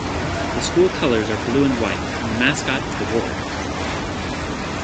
The school colors are blue and white, and the mascot is the Warrior.